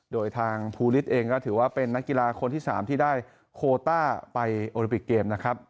โดยทางภูริสเองก็ถือว่าเป็นนักกีฬาคนที่๓ที่ได้โคต้าไปโอลิปิกเกมนะครับ